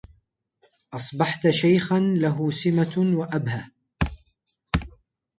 أصبحت شيخا له سمت وأبهة